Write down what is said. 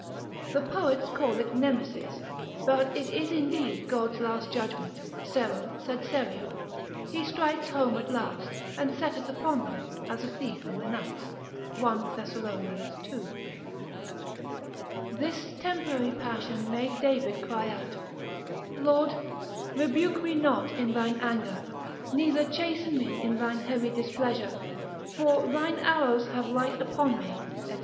The poets call it Nemesis, but it is indeed God's just judgment, sero sed serio, he strikes home at last, and setteth upon them as a thief in the night, 1 Thes. ii. This temporary passion made David cry out, Lord, rebuke me not in thine anger, neither chasten me in thine heavy displeasure; for thine arrows have light upon me, &c.